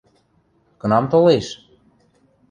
Кынам толеш?